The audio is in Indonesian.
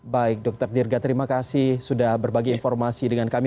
baik dr dirga terima kasih sudah berbagi informasi dengan kami